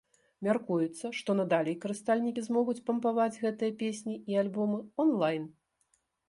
Мяркуецца, што надалей карыстальнікі змогуць пампаваць гэтыя песні і альбомы онлайн.